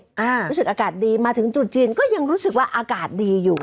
รู้สึกอากาศดีมาถึงจุดจีนก็ยังรู้สึกว่าอากาศดีอยู่